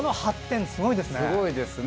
すごいですね。